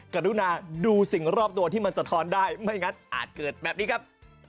กรุณาดูสิ่งรอบตัวที่มันสะท้อนได้ไม่งั้นอาจเกิดแบบนี้ครับ